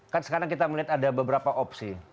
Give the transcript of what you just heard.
kan sekarang kita melihat ada beberapa opsi